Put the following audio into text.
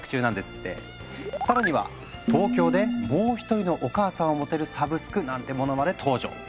更には東京でもう一人のお母さんを持てるサブスクなんてものまで登場。